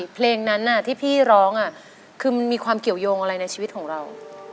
เพลงนั้นที่พี่ร้องคือมันมีความเกี่ยวยงอะไรในชีวิตของเรา